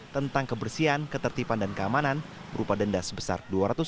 tentang kebersihan ketertiban dan keamanan berupa denda sebesar dua ratus